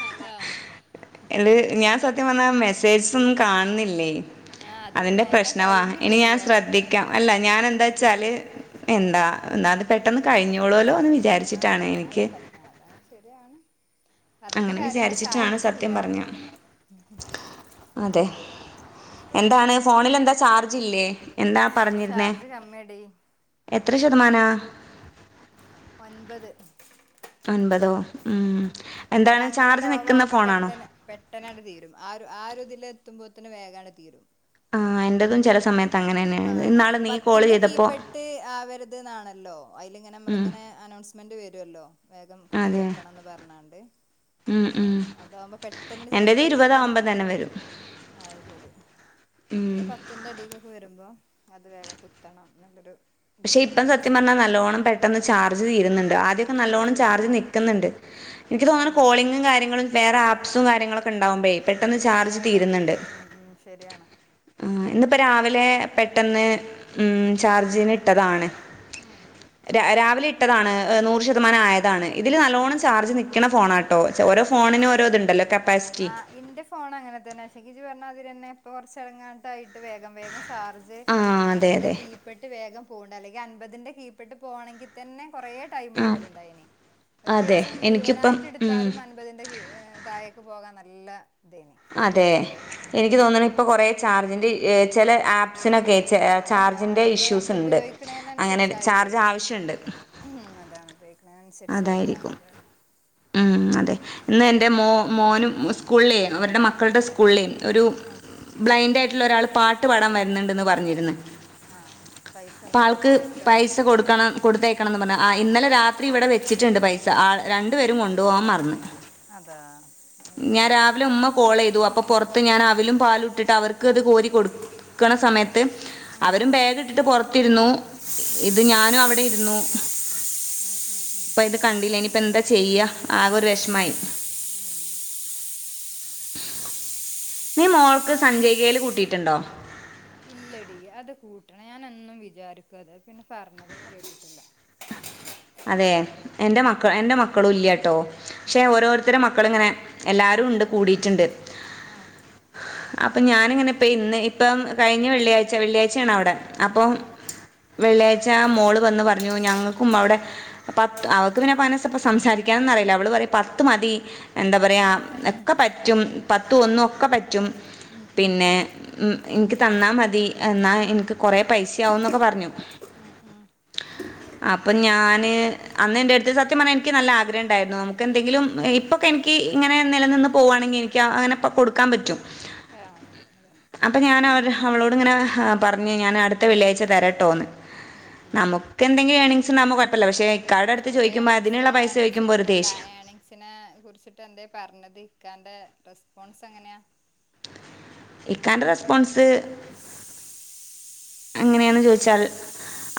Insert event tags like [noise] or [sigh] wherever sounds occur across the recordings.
Hello ഇല് ഞാൻ സത്യം പറഞ്ഞ മെസ്സേജ്സ് ഒന്നും കാണുന്നില്ലേ അതെന്റെ പ്രശ്നവാ ഇനി ഞാൻ ശ്രദ്ധിക്കാം അല്ല ഞാൻ എന്താച്ചാല് എന്താ ഒന്നാത് പെട്ടെന്ന് കഴിഞ്ഞോളോല്ലോ എന്ന് വിചാരിച്ചിട്ടാണ് എനിക്ക് പറഞ്ഞിട്ട് കാര്യല്ല സാർജ് ഇല്ല അതാണ് എന്താണ് ഫോണില് എന്താ ചാർജ് ഇല്ലേ എന്താ പറഞ്ഞിരുന്നേ എത്ര ശതമാനാ? ഒൻപത് അൻമ്പതോ മ് എന്താണ് ചാർജ് നിക്കുന്ന ഫോണാണോ? [unintelligible] ആ ഒരു ഇതില് എത്തുമ്പോ തന്നെ വേഗാണ് തീരും. ആഹ് എന്റതും ചെല സമ ആ അങ്ങനെ പത്തിന്റെ കീപ്പട്ട് ആവരുത് ന്നാണല്ലോ അയിലിങ്ങനെ മ്മള് ഇങ്ങനെ അനൗൺസ് മെന്റ് വരുല്ലോ വേഗം കുത്തി വെക്കണംന്ന് പറഞ്ഞാണ്ട്. അപ്പം അതാവുമ്പോ പെട്ടന്നട് ചെലപ്പോ പെട്ടണ്ട്. അയ്ശെരി ന്റെ പത്തിന്റെ അടിക്കൊക്കെ വരും. അപ്പം അത് വേഗം കുത്തണം നല്ലൊരു പക്ഷേ ഇപ്പം സത്യം പറഞ്ഞാൽ നല്ലവോണം പെട്ടന്ന് ചാർജ് തീരുന്നിണ്ട്, ആദ്യക്കെ നല്ലോണ്ണം ചാർജ് നിക്ക്ന്ന്ണ്ട്. എനിക്ക് തോന്നുന്നു കോളിങ്ങും കാര്യങ്ങളും വേറെ ആപ്സും കാര്യങ്ങളൊക്കെ ഇണ്ടാകുമ്പെ വേഗം തീരും മ് മ് ശെരിയാണ്. ഇന്നിപ്പ രാവിലെ പെട്ടെന്ന് മ് ചാർജിന് ഇട് ട്ടതാണ്, രാ രാവിലെ ഇട്ടതാണ്, എഹ് നൂറ് ശതമാനം ആയതാണ്. ഇതില് നല്ലോണ്ണം ചാർജ് നിൽക്കണ ഫോണാട്ടോ ച ഓരോ ഫോണിനും ഓരോ ഇത്ണ്ടല്ലോ കപ്പാസിറ്റി. ഇന്റെ ഫോൺ അങ്ങനെ തന്നെ [unintelligible] പറഞ്ഞ മാതിരിന്നെ ഇപ്പ കൊറച്ച് [unintelligible] ആയിട്ട് വേഗം വേഗം ചാർജ് അൻമ്പതിൻ്റെ കീപ്പട്ട് വേഗം പോണ്ട അല്ലെങ്കിൽ അൻപതിന്റെ കീപ്പിട്ട് പോകണെങ്കിൽ തന്നെ കൊറേ ടൈം എടുക്കലുണ്ടായിന് ഒരു ദിവസം യുവനായിട്ട് എടുത്താലും അൻപതിന്റെ തായേക്ക് പോകാൻ നല്ല അതെ എനിക്ക് തോന്നണ ഇപ്പൊ കുറേ ചാർജിന്റെ ചില ആപ്സിനൊക്കെ- ചാർജിന്റെഇഷ്യൂ സുണ്ട്അങ്ങന ചർജ് ആവശണ്ട് അതിനനുസരിച്ചായിട്ടാാണ് അതു വരെ ഉംഅതെ ഇന്ന് എൻ്റെ മോ മോനും സ്കൂളിലേ അവരുടെ മക്ക മക്കളുടെ സ്കൂളിലും ഒരു ബ്ലൈൻഡ ആായിട്ടുള്ള ഒരാൾ പാട്ട് പാടാൻ വരുന്നുണ്ടെന്ന് പറഞ്ഞിരുന്നു അപ്പൊ ആൾക്ക് പൈസ കൊടുക്കണം കൊടുത്തയക്കണംന്ന് പറഞ്ഞ ഇന്നലെ രാത- വെച്ചിട്ടുണ്ട് പൈസ ആ രണ്ടു പേരും കൊണ്ടു പോവാൻ മറന്ന് ഞാൻ രാവിലെ ഉമ്മ കോൾ ചെയ്തു അപ്പൊ പുറത്ത് ഞാൻ അവിലും പാല ഇട്ടിട്ട് അവർക്ക്- കോരി കൊടുക്കണ സമയത്ത് അവരും ബാഗ ഇട്ടിട്ട് പുറത്ത് കാത്തിരുന്നു ഇത് ഞാനും അവിടെ ഇരുന്നു ഇപ്പ എന്താ ചെയ്യ ആകെ ഒരു വിഷമായി ഉം നീ മോൾക്ക് സഞ്ജയ് കയില് കൂട്ടിയിട്ടുണ്ടോ ഇല്ലടി അത് കൂട്ടണം ഞാനൊന്നും വിചാരിക്കത് പിന്നെ പറഞ്ഞതൊന്നും കേട്ടിട്ടില്ല അതെ എന്റെ മക്ക എന്റെ മക്കളും ഇല്ലാട്ടോ പക്ഷെ ഓരോരുത്തടെ മക്കളിങ്ങനെ എല്ലാരും ഉണ്ട് കൂടിയിട്ടുണ്ട് ആഹ അപ്പൊ ഞാാനിങ്ങനെ ഇപ്പ ഇന്ന് ഇപ്പം കഴിഞ്ഞ വെള്ളിയാഴ്ച വെള്ളിയാഴ്ചയണ അവിടെ അപ്പൊ വെള്ളിയാഴ് മോള് വന്ന് പറഞ്ഞു ഞങ്ങൾക്കും അവിടെ അപ അവക്ക് പിന്നെ സംസാരിക്കാൻന്ന അറിയില്ല അവള് പറ പത്ത് മതി എന്താ പറയാ ഒക്കെ പറ്റും പത്ത ഒന്നും ഒക്കെ പറ്റും പിന്നെ ഉ എനിക്ക് തന്നാ മതി എന്നാ എനിക്ക് കൊറെ പൈസയാവുംന്നൊക്കെ പറഞ്ഞു അപ്പൊ ഞാൻ അന്ന്ന്റെ അടുത്ത് സത്യം പറഞ്ഞാ എനിക്ക് നല്ല ആഗ്രഹം ഉണ്ടായിരുന്നു നമുക്ക് എന്തെങ്കിലും ഇപ്പൊക്കെ എനി ഇങ്ങെ നില ഇന്ന്പോവണെങ്കിൽ എനിക്ക് അങ്ങനെ കൊടുക്കാൻ പറ്റും ആഹ അപ്പൊ ഞാൻ അവ അവളോട് ഇങ്ങനെ പറഞ്ഞു ഞാൻ അടുത്ത വെള്ളിയാഴ്ച തരട്ടോന്ന് നമുക്ക് എന്തെങ്കിലും ഏണിങ്സ് ഉണ്ടാകുമ്പ കുഴപ്പമില്ല പക്ഷെ- എന്റെ ഏണിങ്സ് അല്ല ഏണിങ്സിനെ കുറിച്ചിട്ട് എന്ത പറഞ്ഞത് ഇക്കാന്റെ റെസ്പോൺസ് എങ്ങനെയാ ഇകന്റെ റെസ്പോൺസ് അങ്ങനെയന്ന് ചോദിച്ചാൽ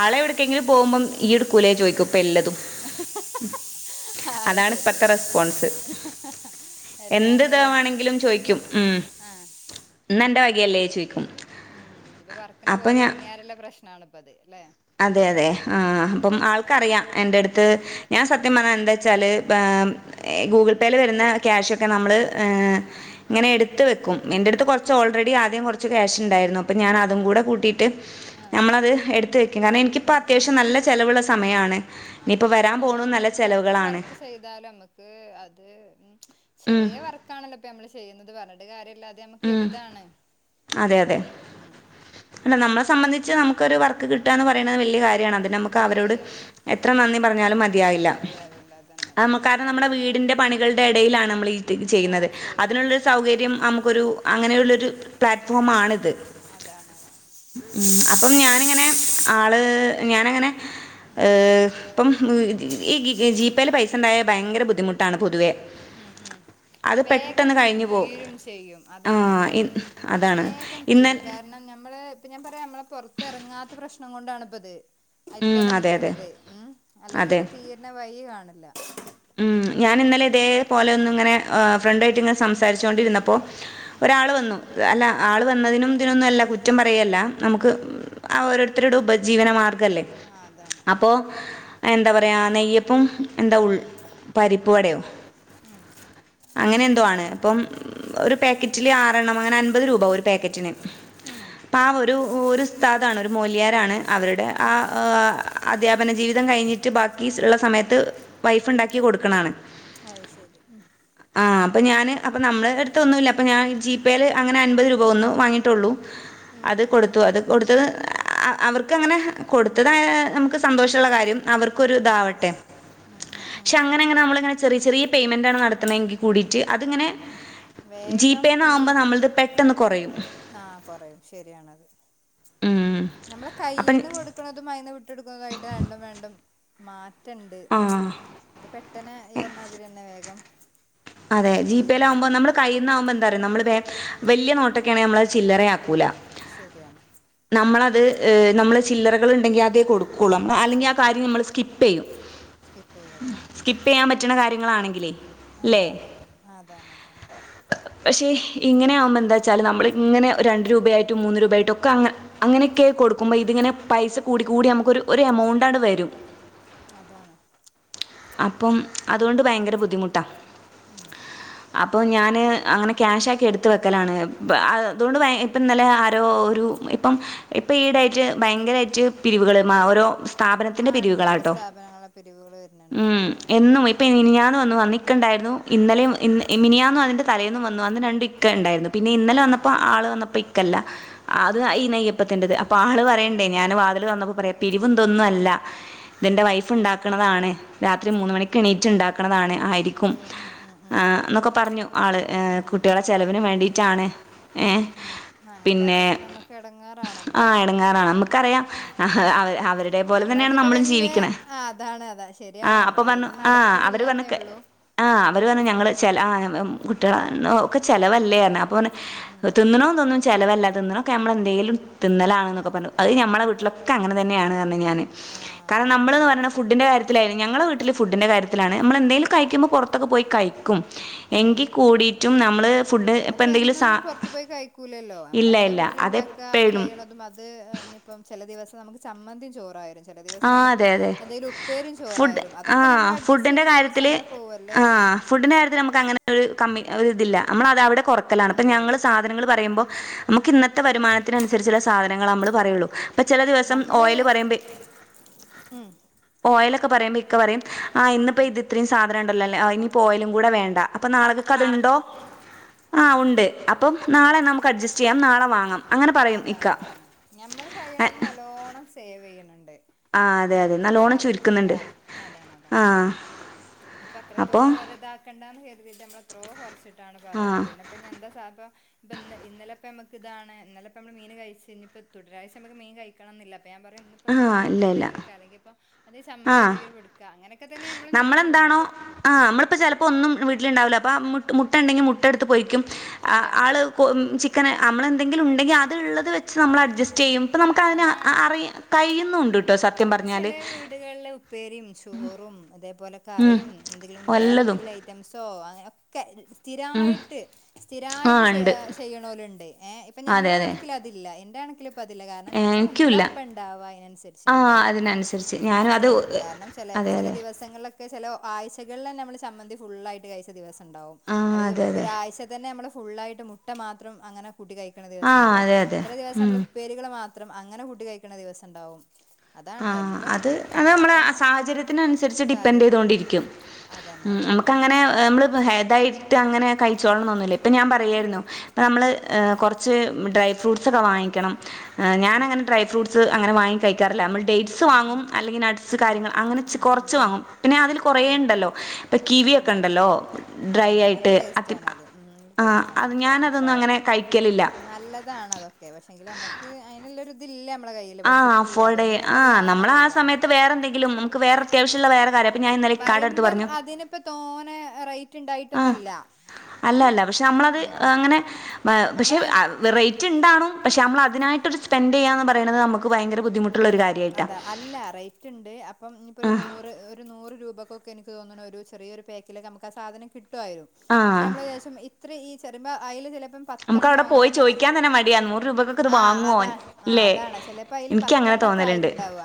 ആളെ എവിടക്കെങ്കിലും പോകുമ്പം ഈ എടുക്കൂലേ ചോദിക്കും ഇപ്പ എല്ലതും [inaudible] ആ ശരി എല്ലാ എന്റെ കാര്യം ആ വകയല്ലേ ചോദിക്കും ഉം ഇജിപ്പ പറക്കിന് പോലെ ഒടുങ്ങിയല്ല പ്രശ്നണ ഇപ്പ അത് അതെ അതെ ആ അപ്പം ആൾക്കറിയാം എൻന്റെ അടുത്ത് ഞാൻ സത്യം പറഞ്ഞാ എന്താ വെച്ചാല്- ഗൂഗിൾ പേയിൽ വരുന്ന ക്യാഷ്ക്കെ നമ്മൾ ഇങ്ങനെ എടുത്ത് വെക്കും എൻ്റ അടുത്ത് കുറച്ച് ഓൾറെഡി ആദ്യം കുറച്ച് ക്യാഷ് ഉണ്ടായിരുന്നു അപ്പം ഞാൻതും കൂട്ടിയിട്ട് നമ്മളത് എടുത്ത് വെ- കാരണം എനിക്കിപ്പോ അത്യാവശ്യം നല്ല ചെിലവുള്ള സമയമാണ് ഇനിയിപ്പോ വരാൻ പോകണ നല്ല ചെലവുകളാണ് അത് ചെറിയ വർക്കാണല്ലോ നമ്മ ചെയ്യുന്നത് പറഞ്ഞ കാര്യല്ലാതെ ഉം അതെ അതെ അല്ല നമ്മളെ സംബന്ധിച്ച്മുക്കൊരു വർക്ക് കിട്ടുകയന്ന് പറയുന്നത് വലിയ കാര്യം അവരോട് എത്ര നന്ദി പറഞ്ഞാലും മതിയാവില്ല കാരണം നമ്മുടെ വീട്- പണികളുടെ ഇടയിലാണ് നമ്മൾ ചെയ്യുന്നത് അതിനുള്ളൊരു സൗകര്യം നമുക്കൊരു- അങ്ങനെയുള്ളൊരു പ്ലാറ്റ്ഫോ ആണത് അതാണത് ഉം അപ്പം ഞാനിങ്ങനെ ആള് ഞാനങ്ങനെ ഇപ്പം ഈ ജിപേൽ പൈസ ഉണ്ടായ ഭയങ്കര ബുദ്ധിമുട്ട് ടാണ് പൊതുവെ അത് പെട്ടെന്ന് കഴിഞ്ഞു പോവും അതാണ് വേഗം തീരും കാരണം നമ്മള് ഇപ്പൊ ഞാൻ പറയാം നമ്മളെ പുറത്തിറങ്ങാത്ത പ്രശ്നം കൊണ്ടാണ് ഇപ്പ ഇത് അതിൽ തന്നെ നിക്കണത് ഉം അല്ലെങ്കി അത് തീരന വഴി കാണില്ല ഉം ഞാൻ ഇന്നലെ ഇതേപോലെ ഒന്നും ഇങ്ങനെ ഫ്രണ്ടായിട്ട് ഇങ്ങനെ സംസാരിച്ചുൊണ്ടിരുന്നപ്പോ ഒരാള് വന്നു അല്ല ആള് വന്നതിനും ഇതിനൊന്നും അല്ല കുറ്റം പറയല്ല നമുക്ക് ഓരോരുത്തരുടെ ഉപജീവനമാർഗം ല്ല അപ്പോ എന്താ പറയാ നെയ്യപ്പും എന്താ ഉ പരിപ്പുവയോ അങ്ങനെ എന്തോആണ് അപ്പോൾ ഒരു പാക്കറ്ൽ ആം [inaudible] അമ്പത്തുരുപ ഒരു പാക്കറ്റ് ന് അപ്പ ആ ഒരു ഒരു സ.. താാണ് ഒരു മോലിയാരാണ് അവരുടെ ആ അദ്ധ്യാപന ജീവിതം കഴിഞ്ഞിട്ട് ബാക്കി ഉള്ള സമയത്ത് വൈഫ് ഉണ്ടാക്കി കൊടുക്കണാണ് അയ് ശരി ഉ അപ്പോൾ ഞാൻ അപ്പം നമ്മൾ അടുത്തൊന്നും ഇില്ല അപ്പ ഞൻ ജി പേൽ അങ്ങനെ അൻപത് രൂപ ഒന്ന വാങ്ങയിട്ടുള്ളൂ അത് കൊടുത്തു അത് കൊടുത്ത അവർക്ക് അങ്ങനെ കൊടുത്തത നമുക്ക് സന്തോഷമുള്ള കാര്യം അവർക്കൊ ഒരു ഇതാവട്ടെ പക്ഷെ അങ്ങനെ അങ്ങനെ നമ്മളങ്ങെ ചെറിയ ചെറിയ പേയ്മെൻറ് ആ നടത്തുന്നതെങ്കിൽ കൂടിയിട്ട് അതിങ്ങനെ വേഗം തീ ആഹ കൊറയും ശരിയാണത് മ്മെ കയ്യിൽ നിന്ന് കൊടുക്കുന്നതും മൈന്ന് വിട്ട കൊടുക്കുന്നത ആയിട്ട് വേണ്ടും വേണ്ടും മാ ണ്ട് അത് പെട്ടന ഈ ഒറണാതിരി തന്നെ വേഗം അതെ ജീപേയിലകുമ്പോ നമ്മള് കയിൽന്നാവകുമ്പോ നമ്മള് വലിയ നോട്ടൊക്കെ ആണെ നമ്മളത് ചില്ലറ ആക്കൂല ശരിയാണ് നമ്മളത് നമ്മള് ചില്ലറകൾ ഉണ്ടെങ്കിൽ അതെ കൊടുക്കും ള അല്ലെങ്കിൽ ആ കാര്യം നമ്മൾ സ്കിപ്പ് ചെയ്യും സ്കിപ്പ് ചെയ്യൻ പറ്റ റ്റണ കാര്യങ്ങളാണെങ്കിലേ അതാണ് അതാണ് അതാണ്ത പക്ഷെ ഇങ്ങനെ ആവുമ്പോ എന്താ വെച്ചാല് നമ്മള് ഇങ്ങനെ രണ്ട് രൂപ ആായിട്ടും മൂന്ന് രൂപായിട്ടും ഒക്കെ അങ്ങനെയൊക്കെ കൊടുക്കുമ്പോൾ ഇതിങ്ങനെ പൈസ കൂട കൂടി നമുക്ക എമൗണ്ട ആാണ് വരും അതാണ് അപ്പം അതുകൊണ്ട് ഭയങ്കര ബുദ്ധിമുട്ടാ അപ്പോൾ ഞാാന് അങ്ങനെ ക്യാഷ് ആക്കി എടുത്തു വെക്കല അതൊണ്ട് ഇ ഇന്നലെ ആരോ ഇപ്പ ഇപ്പ ഈട ഭയ ഭയങ്കരമായിട്ട് പിരിവുകൾ ഓരോ സ്ഥാപനത്തിന്റെ പിരിവുകാട്ടോ പിരിവുകൾ വരുന്നു ഉം എന്നും ഇപ്പൊ ഇനിഞ്ഞന്ന് വു വന്നിണ്ടായിരുന്നു ഇന്നലെയും ഇിനിയാന്ന അതിന്റെ തലേ വന്ന് രണ്ട ഇക്ക ഉണ്ടായിരുന്നു പിന്നെ ഇന്നലെ വന്നപ്പോ ആള് വന്നപ്പോ ഇക്കല്ല അത് ഈ നെയ്യപ്പത്തിറ അ പാള് പറയണ്ട ഞാന് വാതില് വന്നപ്പോ പറയാം പിരിവന്തൊന്നും അല്ല ഇതിന്റെ വൈഫ് ഉണ്ടാക്കുന്നതാണ് രാത്രി മൂന്ന മണിക്ക് എണീറ്റ് ഉണ്ട താണ് ആയിരിക്കും എന്നൊക്കെ പറഞ്ഞു ആള്. ഉ ഉ ഉ ഉ ഉ അങ്ങനെ പറയുമ്പോ പിന്നെ നമ്മുക്ക് ഇടങ്ങാറാണല്ലോ ആഹ എടങ്ങാറാണ് നമ്മുക്കറിയാം ആ അവരുടെ പോലെ തന്നെയാണ് നമ്മളും ജീവിക്കണ ആ് അപ്പൊ വന്നു ആ അവര് വന്ന ആ് അവര് വന്നു ഞങ്ങള്ൾ ച ആ കുട്ടികള ഒക്കെ ചെലവല്ലേ അപ്പൊ തിന്നണോന്ന ചിലവല്ലാ തിന്നൊക്കെ നമ്മെന്തെങ്കിലും തിലണെന്നൊക്കെ പറഞ്ഞു അത് നമ്മുടെ വീട്ടിലൊക്കെ അങ്ങനെ തെയാണ് പറഞ്ഞത് ഞന് കാരണം നമ്മള് ന്ന് പറഞഫുഡിന്റെ കാര്യത്തിൽ ഞങ്ങളുടെ വീട്ടിൽ ഫുഡൻ്റെ കാര്യത്തില നമ്മ എന്തെങ്കും കഴുമ്പോൾ പുറത്തൊക്ക പോയി കഴിക്കും എങ്കിൽ കൂടിട്ടും നമ്മള് ഫുഡ് ഇപ്പ എന്തെങ്കിലും സ ഇല്ല ഇല്ല ട്ടിൽ ഇണ്ടാക്ക അത് കയിയണതും അത് എഹ് ഇനി ഇപ്പം ചെല ദിവസം നമുക്ക് ചമ്മന്തിയും ചോറ് ആയിരു ചെല ദിവസം നമുക്ക് എന്തേലും ഉപ്പേരിം ചോറായാരും അതൊക്കെ നമ്മൾ അഡ്ജസ്റ്റ് ചെയ്ത് ജീവിച്ച് അങ്ങനെ പോകും അല്ലേ ആഹ് ആഹ് ഫുഡിന്റെ കാര്യത്തിൽ നമു ക്ക് അങ്ങനെ ഒരു കമ്മി ഒരു ഇതില്ല, നമ്മൾ അത അവിടെ കൊറക്കലാണ് ഇപ്പ ഞങ്ങൾ സാധനങ്ങൾ പറയുമ്പോ നമുക്ക് ഇന്നത്തെ വരുമാനത്തിനനുസരിച്ചുള്ള സാധനങ്ങൾ നമ്മള് പറയുള്ളൂ, ഇപ്പ ചെല ദിവസം ഓയില് പറയുമ്പെ ഉം ഓയിലൊക്കെ പറയുമ്പോ ഇക്ക പറയും ആ ഇന്ന് ഇപ്പ ഇത് ഇത്രയും സാധനം ഇണ്ടല്ലോല്ലേ ഇനിയിപ്പോ ഓയിലും കൂടെ വേണ്ട. അപ്പ നാളകക്ക് അത്ണ്ടോ? ആഹ് ഉണ്ട് അപ്പം നാളെ നമുക്ക് അഡ്ജസ്റ്റ് ചെയ്യാം നാളെ വാങ്ങാം അങ്ങനെ അതാണ് അതാണ് ഞമ്മള് കഴിയണതും നല്ലോണം സേവ് ചെയ്യണണ്ട് ആഹ് അതെ അതെ നല്ലോണം ചുരുക്കുന്നുണ്ട് ആഹ് ഇപ്പം അത്രത്തോളം ഓരെ ഇതാക്കണ്ടാന്ന് കരു നമ്മൾ എത്രയോ കൊറച്ചിട്ടാണ് പറയണെ പിന്നെപ്പം ഇഞ്ഞെന്താ [unintelligible] പ്പന്ന് ഇന്നലെ ഇപ്പം നമ്മക്കിതാണ് ഇന്നലെപ്പം നമ്മള് മീന് കഴിച്ച് ഇനിപ്പം തുടരാഴ്ച നമുക്ക് മീൻ കഴിക്കണന്നില്ല അപ്പം ഞാൻ പറയും ഇന്നിപ്പം എന്തേലും മുട്ടന്തേലും പൊരിക്ക അല്ലെങ്കിപ്പം എന്തേ ചമ്മന്തി എന്തെങ്കിലും എടുക്ക അങ്ങനൊക്കെ നമ്മളെന്താണോ ആഹ് നമ്മളിപ്പം ചെലപ്പം ഒന്നും വീട്ടിലുണ്ടാവില്ല അപ്പം മു മുട്ട ഉണ്ടെങ്കി മു ട്ട എടുത്ത് പൊരിക്കും ആ ആള് കൊ ചിക്കന് നമ്മള് എൻ ന്തെങ്കിലും ഉണ്ടങ്കിൽ അത് ഇള്ളത് വെച്ച് നമ്മള് അഡ്ജസ്റ്റ് ചെയ്യും അപ്പൊ നമുക്കതിന് അ-അ അറി കഴിയുന്നുണ്ട് ട്ടോ സത്യം പറഞ്ഞാല് പ്പേരിയും ചോറും അതേപോലെ കറിയും എന്തെങ്കിലും വേറെന്തെങ്കിലും ഐറ്റംസോ ഓ അങ്ങനൊക്കെ സ്ഥിരായിട്ട് സ്ഥിരായിട്ട് ഏഹ് ചെയ്യണോല്ണ്ട് ഏഹ് ഇപ്പം ഞമ്മളെ കണക്കില് അതില്ല ന്റെ കണക്കില് ഇപ്പതില്ല കാരണം നമ്മളെന്താപ്പണ്ടാവ അയ്നനുസരിച്ച് നമ്മള് കഴിക്ക അത്രേ ഉള്ളൂ കാരണം ചെലെ ചെലെ ദിവസങ്ങളിലൊക്കെ ചെലെ ആഴ്ചകളിലെന്നെ നമ്മള് ചമ്മന്തി ഫുൾ ആയിട്ട് കഴിച്ച ദിവസണ്ടാവും അല്ലെങ്കി ഒരാഴ്ച തന്നെ നമ്മള് ഫുള്ളായിട്ട് മുട്ട മാത്രം അങ്ങനെ കൂട്ടി കഴിക്കണ ദിവസണ്ടാവും ചെല ദിവസം നമ്മള് ഉപ്പേരികള് മാ ത്രം അങ്ങനെ കുട്ടി കഴിക്കണ ദിവസണ്ടാവും ആഹ് അത് അത് നമ്മളെ സാഹചര്യത്തിനനുസരിച്ച് ഡിപ്പെൻഡ് ചെയ്തോണ്ടിരിക്കും ഉം നമ്മക്ക് അങ്ങനെ നമ്മള് ഇതായിട്ട് അങ്ങനെ കഴിച്ചോളണം ന്നൊന്നില്ല ഇപ്പം ഞാൻ പറയായിരുന്നു ഇപ്പ നമ്മള് ഏഹ് കൊറച്ച് ഡ്രൈ ഫ്രൂട്ട്സൊക്കെ വാങ്ങിക്കണം ഞാനങ്ങനെ ഡ്രൈ ഫ്രൂട്ട്സ് ട്സ് അങ്ങനെ വാങ്ങി കഴിക്കാറില്ല നമ്മൾ ഡേറ്റ്സ് വാങ്ങും അല്ലെങ്കിൽ നട്സ് കാര്യങ്ങൾ അങ്ങനെ ച്ച് കൊറച്ച് വാങ്ങും പിന്നെ അതിൽ കൊറേണ്ടല്ലോ ഇപ്പം കി വി ഒക്കെണ്ടല്ലോ ഡ്രൈ ആയിട്ട് അത്തി ആഹ് ഞാൻ അതൊന്നും അങ്ങനെ കഴിക്കൽ നല്ലതാണ് അതൊക്കെ പക്ഷെങ്കിൽ അമ്മെക്ക് അയിന് ഇള്ളൊര് ഇത് ഇല്ല അമ്മെളെ കയ്യിൽ ബഡ്ജെറ്റ് ഇല്ല അതോണ്ട് പിന്നെ അമ്മെൾ അയ് നമ്മെള ആ സമയെത്ത് വേറെ എന്തെങ്കിലും നമുക്ക് വേറെ അത്യാവശ്യയിള്ള വേറെ കാര്യം പറിയിമ്പം അതിന് ഇപ്പം തോനെ റൈറ്റ് ഇണ്ടായിട്ടൊന്നും അല്ല അല്ല അല്ല പക്ഷെ നമ്മെൾ അത് അങ്ങനെ പ പക്ഷെ വെ റൈറ്റ് ഇണ്ടാണും പക്ഷെ അമ്മെൾ അതിനായിട്ട് ഒര് സ്പെന്റ് ചെയ്യാന്ന് പറിണെത് അമ്മെക്ക് ഭയങ്കര ബുദ്ധിമു അതാ അല്ല റൈറ്റ് ഇണ്ട് അപ്പം ഇഞ്ഞ് ഇപ്പം ഒര് നൂറ് ഒര് നൂറ് രൂപക്കൊ ക്കെ എനിക്ക് തോന്ന്ണു ഒരു ചെറിയൊര് പേക്കിൽ ഒക്കെ നമ്മെക്ക്‌ ആ സാധനം കിട്ട് ട്ടു ആയും ക്ഷെ നമ്മെൾ അയ് ഏകേശം ഇത്ര ഈ ചെറിമ്പ അയിൽ ചെലെപ്പം പത്തെണ്ണോ അങ്ങനെ എന്താ നൂറ് രൂപക്ക്‌ ഒക്കെ ഇത് വാങ്ങും ഓൻ ല്ലെ ഇൻക്ക്യ അങ്ങനെ തോന്ന [unintelligible] ഇണ്ടാവാ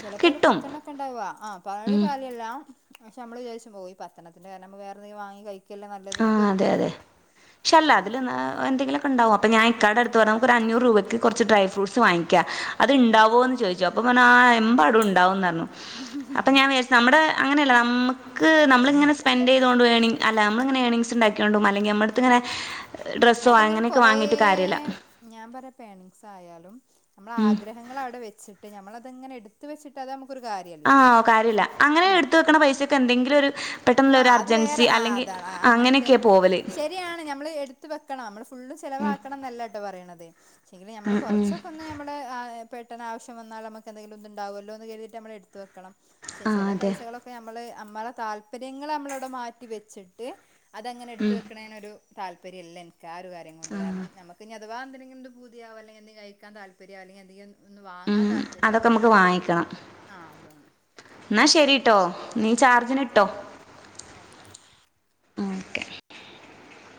ചെലെപ്പം അയിൽ പത്തെണ്ണം ഒക്കെ ഇണ്ടാവാ ആ പർൺട്ട് കാര്യം ഇല്ല. പക്ഷെ നമ്മെൾ വിചാര്ച്ചും ഓ ഈ പത്തെണ്ണത്തിന്റെ കാരണം നമ്മെൾ വേറെ എന്തെങ്കിലും വാങ്ങി കഴി ആഹ് അതെ അതെ പക്ഷേ അല്ല അതിലും ന്ന് എന്തെങ്കിലൊക്കെ ഇണ്ടാവും അപ്പ ഞാൻ ഇക്കാടെ അട്ത്ത് പർഞ്ഞു നമുക്ക് ഒര് അഞ്ഞൂ റ് രൂപെക്ക് കൊർച്ച് ഡ്രൈ ഫ്രൂട്സ് വാങ്ങി ക്ക്യാ അത് ഇണ്ടാവോന്ന് ചോയിച്ചു അപ്പ പർഞ്ഞു ആ എമ്പാടും ഇണ്ടാവുംന്ന് പർണു അപ്പ ഞാൻ വിചാര്ച്ചു നമ്മ്ടെ അങ്ങനെ അല്ല നമ്മെക്ക് നമ്മളിങ്ങനെ സ്പെൻഡ് ചെയ്തോണ്ട് ഏർണിങ് അല്ല നമ്മെൾ ഇങ്ങെനെ ഏണിങ്സ് ഇണ്ടാക്കിയോണ്ടും അല്ലെങ്കി നമ്മെളെ എട്ത്ത് ഇങ്ങെനെ അതിങ്ങനെ കൊറേ ഞാൻ പറയാ പ്പ ഏണിങ്സ് ആയാലും നമ്മള ആഗ്രഹങ്ങൾ അവിടെ വച്ച്ട്ട് നമ്മളത് ഇങ്ങനെ എടുത്ത് വെച്ചിട്ട് അത ആ കാര്യയുല്ല അങ്ങനെ എടുത്ത് വെക്കണ പൈസക്ക്‌ എന്തെങ്കിലും ഒരു ആ അത് വേറെ ആ അതാണ് അങ്ങനത്തേണ് ഇപ്പൊ ശരിയാണ് നമ്മള് എടുത്ത് വെക്കണം നമ്മള് ഫുള്ള് ചെലവാക്കണം എന്നല്ലാട്ടോ പറയണത് നമ്മൾ കുറച്ചൊക്കെ ഒന്ന് നമ്മുടെ പെട്ടെന്ന് ആവശ്യം വന്നാൽ നമുക്ക്‌ എന്തങ്കിലും ഇത് ഉണ്ടാവുല്ലോന്ന് കരുതിട്ട് നമ്മള് എടുത്ത് വെക്കണം പക്ഷെ ചെലെ പൈസകളൊക്കെ നമ്മള് നമ്മളെ താല്പ താല്പര്യങ്ങൾ നമ്മളവിടെ മാറ്റി വെച്ചിട്ട് അതങ്ങനെ എടുത്ത് വെക്കണേനൊരു താല്പര്യല്ല എനിക്ക് ആ ഒരു കാര്യം കൊണ്ട് കാരണം നമക്ക് ഇനി അതവാ എന്തിനെങ്കിലും എന്ത് പൂതി ആവാണെങ്കി കഴിക്കാൻ താല്പര്യം അല്ലെങ്കി എന്തെങ്കിലും ഒന്ന് വാങ്ങാൻ താല്പര്യ ആവാ ആ അതാണ് എന്നാ ശെരിട്ടോ നീ ചാർജ്ന് ഇട്ടോ ഓക്കെ ഓക്കേ